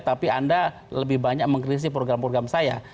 tapi anda lebih banyak mengkritisi program program saya